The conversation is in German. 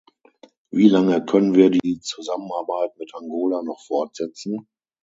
Wie lange können wir die Zusammenarbeit mit Angola noch fortsetzen?